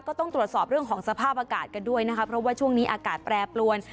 ก็ต้องตรวจสอบเรื่องของสภาพอากาศกันด้วยนะคะเพราะว่าช่วงนี้อากาศแปรปรวน